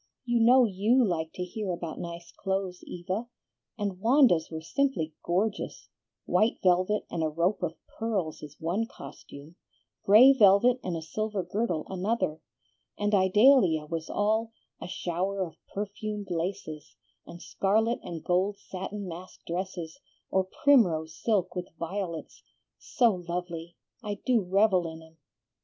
"You know YOU like to hear about nice clothes, Eva, and Wanda's were simply gorgeous; white velvet and a rope of pearls is one costume; gray velvet and a silver girdle another; and Idalia was all a 'shower of perfumed laces,' and scarlet and gold satin mask dresses, or primrose silk with violets, so lovely! I do revel in 'em!"